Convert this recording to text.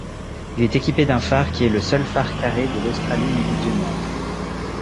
Il est équipé d'un phare qui est le seul phare carré de l'Australie-Méridionale.